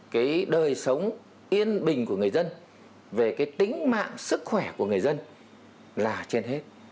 cái đời sống yên bình của người dân về cái tính mạng sức khỏe của người dân là trên hết